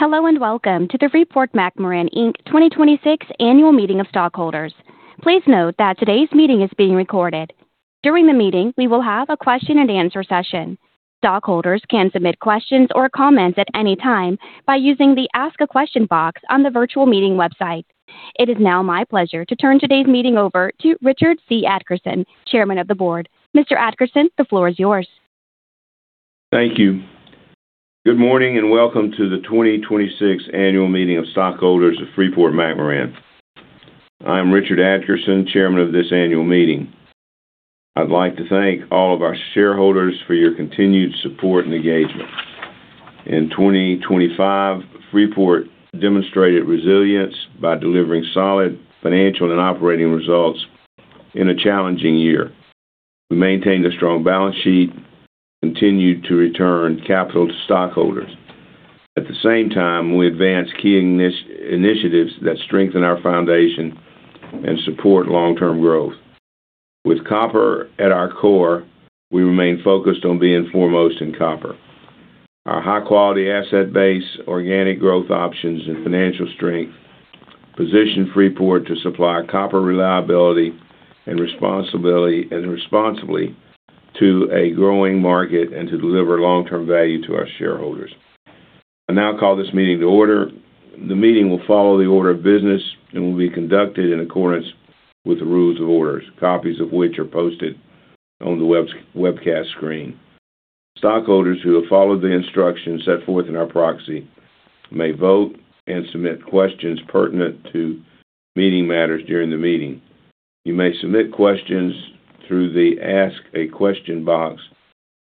Welcome to the Freeport-McMoRan Inc 2026 Annual Meeting of Stockholders. Please note that today's meeting is being recorded. During the meeting, we will have a question-and-answer session. Stockholders can submit questions or comments at any time by using the Ask a Question box on the virtual meeting website. It is now my pleasure to turn today's meeting over to Richard C. Adkerson, Chairman of the Board. Mr. Adkerson, the floor is yours. Thank you. Good morning and welcome to the 2026 Annual Meeting of Stockholders of Freeport-McMoRan. I'm Richard Adkerson, Chairman of this annual meeting. I'd like to thank all of our shareholders for your continued support and engagement. In 2025, Freeport demonstrated resilience by delivering solid financial and operating results in a challenging year. We maintained a strong balance sheet, continued to return capital to stockholders. At the same time, we advanced key initiatives that strengthen our foundation and support long-term growth. With copper at our core, we remain focused on being foremost in copper. Our high-quality asset base, organic growth options, and financial strength position Freeport to supply copper reliably and responsibly to a growing market and to deliver long-term value to our shareholders. I now call this meeting to order. The meeting will follow the order of business and will be conducted in accordance with the rules of order, copies of which are posted on the webcast screen. Stockholders who have followed the instructions set forth in our proxy may vote and submit questions pertinent to meeting matters during the meeting. You may submit questions through the Ask a Question box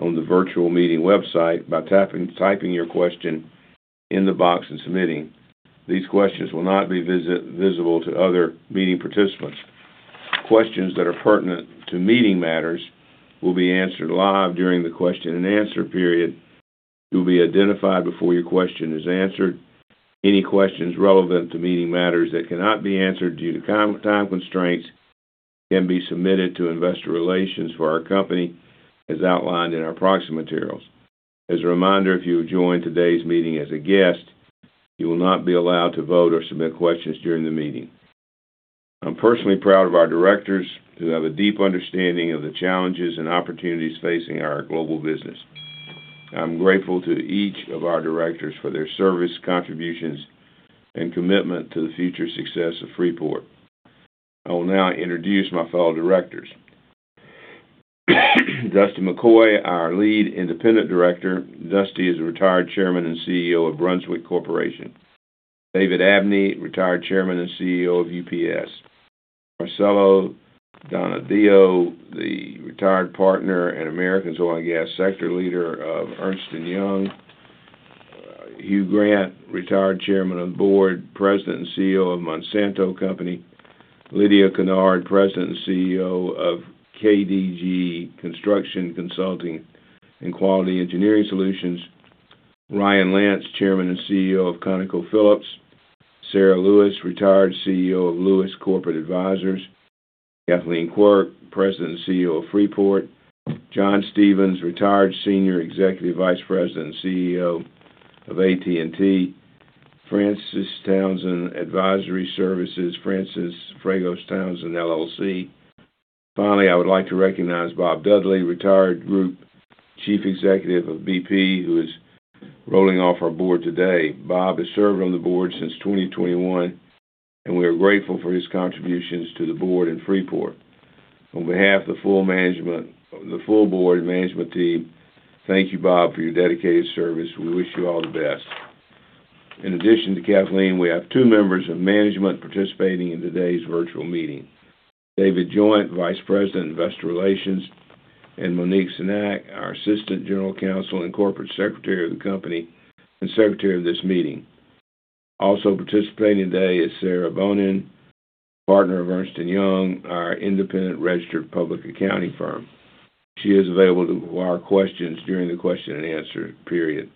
on the virtual meeting website by typing your question in the box and submitting. These questions will not be visible to other meeting participants. Questions that are pertinent to meeting matters will be answered live during the question-and-answer period. You'll be identified before your question is answered. Any questions relevant to meeting matters that cannot be answered due to time constraints can be submitted to Investor Relations for our company as outlined in our proxy materials. As a reminder, if you have joined today's meeting as a guest, you will not be allowed to vote or submit questions during the meeting. I'm personally proud of our directors who have a deep understanding of the challenges and opportunities facing our global business. I'm grateful to each of our directors for their service, contributions, and commitment to the future success of Freeport. I will now introduce my fellow directors. Dusty McCoy, our Lead Independent Director. Dusty is a retired Chairman and CEO of Brunswick Corporation. David Abney, retired Chairman and CEO of UPS. Marcela Donadio, the retired Partner and Americas Oil and Gas Sector Leader of Ernst & Young. Hugh Grant, retired Chairman of the Board, President, and CEO of Monsanto Company. Lydia Kennard, President and CEO of KDG Construction Consulting and Quality Engineering Solutions. Ryan Lance, Chairman and CEO of ConocoPhillips. Sara Lewis, retired CEO of Lewis Corporate Advisors. Kathleen Quirk, President and CEO of Freeport. John Stephens, retired Senior Executive Vice President and CFO of AT&T. Frances Townsend, Advisory Services, Frances Fragos Townsend LLC. Finally, I would like to recognize Bob Dudley, retired Group Chief Executive of BP, who is rolling off our board today. Bob has served on the board since 2021, and we are grateful for his contributions to the board and Freeport. On behalf of the full board and management team, thank you, Bob, for your dedicated service. We wish you all the best. In addition to Kathleen, we have two members of management participating in today's virtual meeting. David Joint, Vice President of Investor Relations, and Monique Cenac, our Assistant General Counsel and Corporate Secretary of the company and secretary of this meeting. Also participating today is Sarah Bonin, partner of Ernst & Young, our independent registered public accounting firm. She is available for our questions during the question-and-answer period.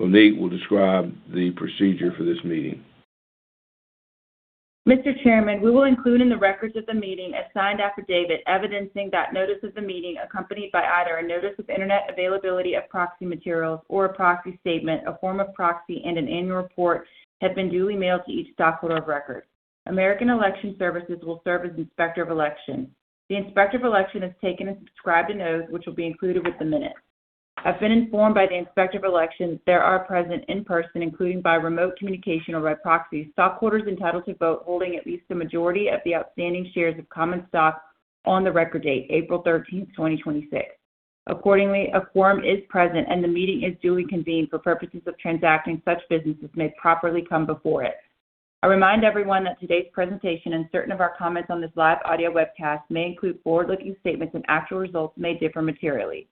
Monique will describe the procedure for this meeting. Mr. Chairman, we will include in the records of the meeting a signed affidavit evidencing that notice of the meeting accompanied by either a notice of Internet availability of proxy materials or a proxy statement, a form of proxy, and an annual report have been duly mailed to each stockholder of record. American Election Services, LLC will serve as Inspector of Election. The Inspector of Election has taken and subscribed a note, which will be included with the minutes. I've been informed by the Inspector of Election that there are present in person, including by remote communication or by proxy, stockholders entitled to vote holding at least the majority of the outstanding shares of common stock on the record date, April 13th, 2026. Accordingly, a quorum is present, and the meeting is duly convened for purposes of transacting such business as may properly come before it. I remind everyone that today's presentation and certain of our comments on this live audio webcast may include forward-looking statements and actual results may differ materially.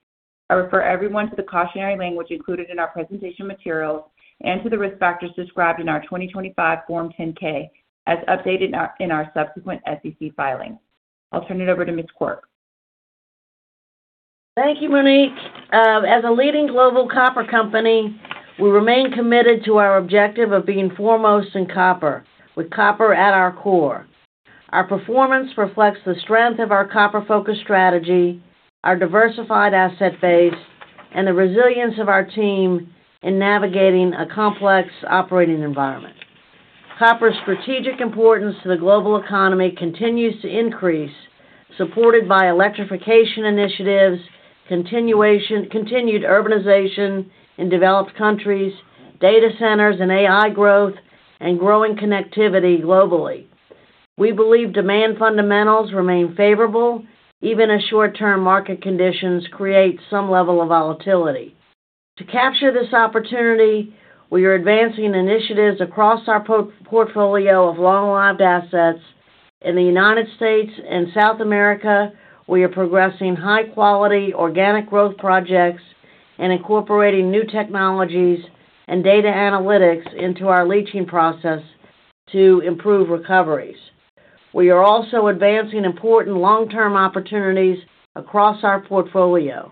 I refer everyone to the cautionary language included in our presentation materials and to the risk factors described in our 2025 Form 10-K as updated in our subsequent SEC filings. I'll turn it over to Ms. Quirk. Thank you, Monique. As a leading global copper company, we remain committed to our objective of being foremost in copper with copper at our core Our performance reflects the strength of our copper-focused strategy, our diversified asset base, and the resilience of our team in navigating a complex operating environment. Copper's strategic importance to the global economy continues to increase, supported by electrification initiatives, continued urbanization in developed countries, data centers and AI growth, and growing connectivity globally. We believe demand fundamentals remain favorable, even as short-term market conditions create some level of volatility. To capture this opportunity, we are advancing initiatives across our portfolio of long-lived assets. In the United States and South America, we are progressing high-quality organic growth projects and incorporating new technologies and data analytics into our leaching process to improve recoveries. We are also advancing important long-term opportunities across our portfolio.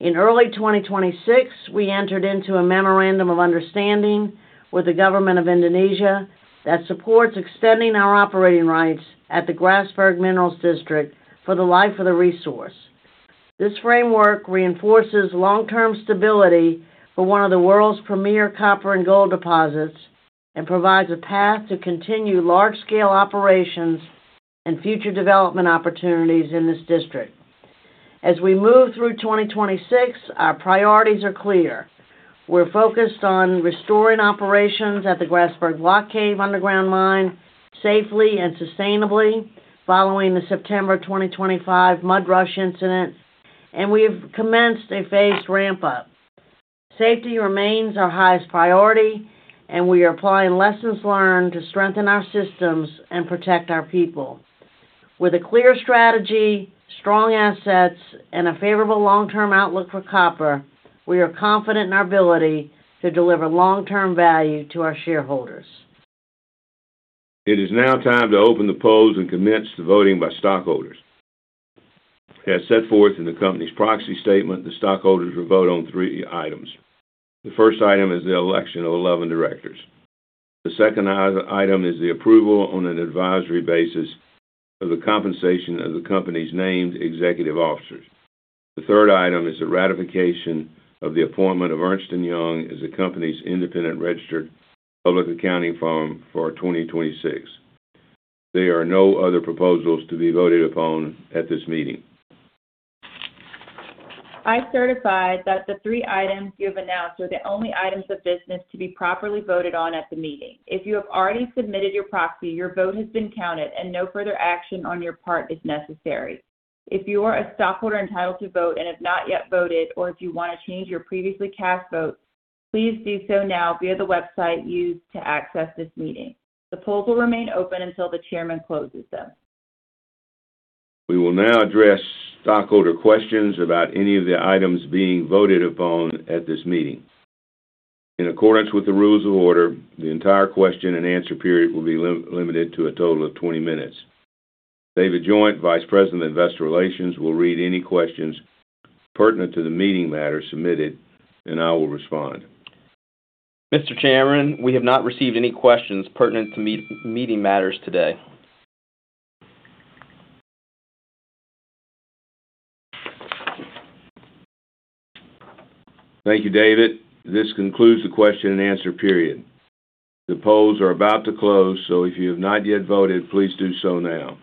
In early 2026, we entered into a memorandum of understanding with the government of Indonesia that supports extending our operating rights at the Grasberg minerals district for the life of the resource. This framework reinforces long-term stability for one of the world's premier copper and gold deposits and provides a path to continue large-scale operations and future development opportunities in this district. As we move through 2026, our priorities are clear. We're focused on restoring operations at the Grasberg Block Cave underground mine safely and sustainably following the September 2025 mud rush incident, and we have commenced a phased ramp-up. Safety remains our highest priority, and we are applying lessons learned to strengthen our systems and protect our people. With a clear strategy, strong assets, and a favorable long-term outlook for copper, we are confident in our ability to deliver long-term value to our shareholders. It is now time to open the polls and commence the voting by stockholders. As set forth in the company's proxy statement, the stockholders will vote on three items. The first item is the election of 11 directors. The second item is the approval on an advisory basis of the compensation of the company's named executive officers. The third item is the ratification of the appointment of Ernst & Young as the company's independent registered public accounting firm for 2026. There are no other proposals to be voted upon at this meeting. I certify that the three items you have announced are the only items of business to be properly voted on at the meeting. If you have already submitted your proxy, your vote has been counted, and no further action on your part is necessary. If you are a stockholder entitled to vote and have not yet voted, or if you want to change your previously cast votes, please do so now via the website used to access this meeting. The polls will remain open until the Chairman closes them. We will now address stockholder questions about any of the items being voted upon at this meeting. In accordance with the rules of order, the entire question-and-answer period will be limited to a total of 20 minutes. David Joint, Vice President of Investor Relations, will read any questions pertinent to the meeting matters submitted, and I will respond. Mr. Chairman, we have not received any questions pertinent to meeting matters today. Thank you, David. This concludes the question-and-answer period. The polls are about to close, if you have not yet voted, please do so now.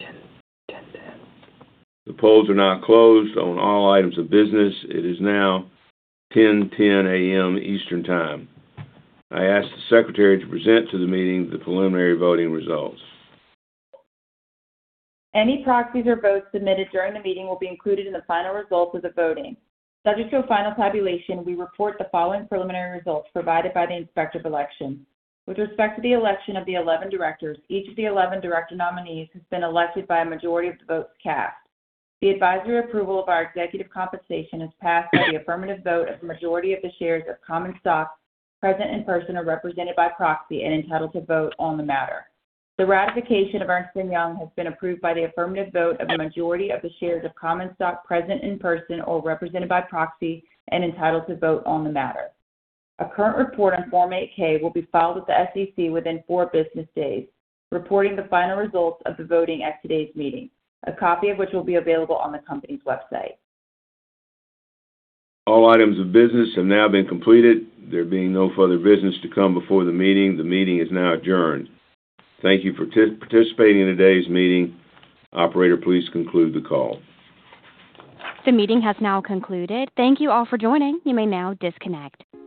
The polls are now closed on all items of business. It is now 10:10 A.M. Eastern Time. I ask the Secretary to present to the meeting the preliminary voting results. Any proxies or votes submitted during the meeting will be included in the final results of the voting. Subject to a final tabulation, we report the following preliminary results provided by the Inspector of Elections. With respect to the election of the 11 directors, each of the 11 director nominees has been elected by a majority of the votes cast. The advisory approval of our executive compensation is passed by the affirmative vote of the majority of the shares of common stock present in person or represented by proxy and entitled to vote on the matter. The ratification of Ernst & Young has been approved by the affirmative vote of the majority of the shares of common stock present in person or represented by proxy and entitled to vote on the matter. A current report on Form 8-K will be filed with the SEC within four business days reporting the final results of the voting at today's meeting, a copy of which will be available on the company's website. All items of business have now been completed. There being no further business to come before the meeting, the meeting is now adjourned. Thank you for participating in today's meeting. Operator, please conclude the call. The meeting has now concluded. Thank you all for joining. You may now disconnect.